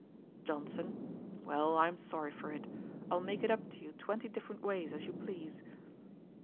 JOHNSON. 'Well, I am sorry for it. I'll make it up to you twenty different ways, as you please.'